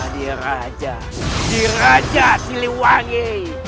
aku akan menjadi raja di raja siliwangi